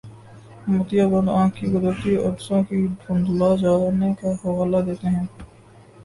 موتیابند آنکھ کے قدرتی عدسہ کے دھندلا جانے کا حوالہ دیتے ہیں